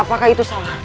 apakah itu salah